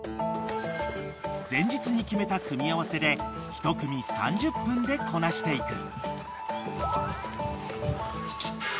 ［前日に決めた組み合わせで１組３０分でこなしていく］